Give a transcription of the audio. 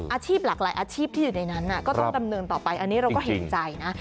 อาชีพหลากหลายอาชีพที่อยู่ในนั้นก็ต้องดำเนินต่อไปอันนี้เราก็เห็นใจนะ